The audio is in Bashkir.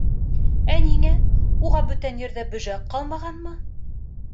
— Ә ниңә, уға бүтән ерҙә бөжәк ҡалмағанмы?